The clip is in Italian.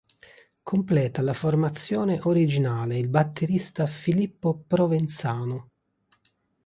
Completa la formazione originale il batterista Filippo Provenzano.